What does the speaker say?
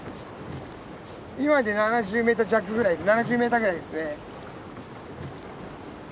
今ので７０ｍ弱ぐらい７０ｍぐらいですね。